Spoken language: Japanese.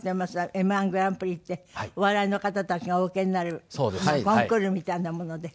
Ｍ−１グランプリってお笑いの方たちがお受けになるコンクールみたいなもので。